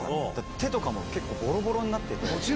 手とかもボロボロになってて。